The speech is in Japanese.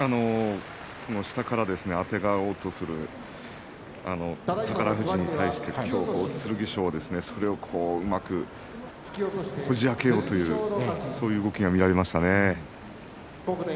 下からあてがおうとする宝富士に対して、剣翔はそれをうまくこじあけようというそういう動きが見られましたね。